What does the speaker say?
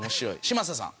嶋佐さん。